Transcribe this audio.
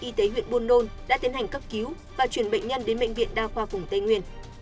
y tế huyện buôn đôn đã tiến hành cấp cứu và chuyển bệnh nhân đến bệnh viện đa khoa vùng tây nguyên